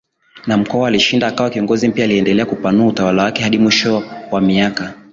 na Mkwawa alishinda akawa kiongozi mpyaAliendelea kupanua utawala wake Hadi mwisho wa miaka